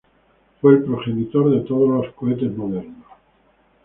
Fue el progenitor de todos los cohetes modernos.